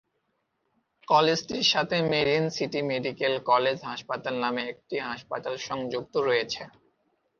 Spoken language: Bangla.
কলেজটির সাথে মেরিন সিটি মেডিকেল কলেজ হাসপাতাল নামে একটি হাসপাতাল সংযুক্ত আছে।